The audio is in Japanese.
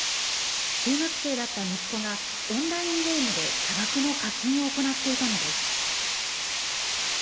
中学生だった息子が、オンラインゲームで多額の課金を行っていたのです。